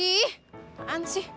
ih kenaan sih